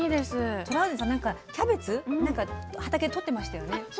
トラウデンさん、キャベツ畑でとってましたよね？